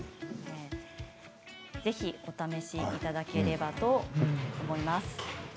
ぜひ、お試しいただければと思います。